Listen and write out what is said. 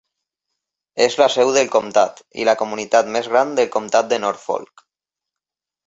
És la seu del comtat i la comunitat més gran del comtat de Norfolk.